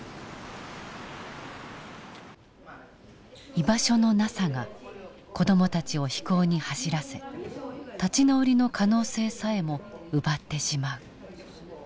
居場所のなさが子どもたちを非行に走らせ立ち直りの可能性さえも奪ってしまう。